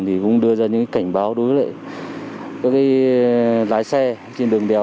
thì cũng đưa ra những cảnh báo đối với các lái xe trên đường đèo